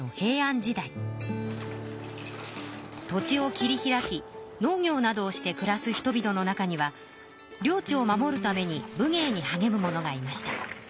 土地を切り開き農業などをしてくらす人々の中には領地を守るために武芸にはげむ者がいました。